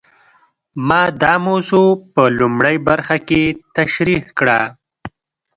ما دا موضوع په لومړۍ برخه کې تشرېح کړه.